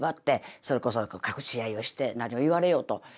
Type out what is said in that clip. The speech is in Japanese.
それこそ隠し合いをして何を言われようと。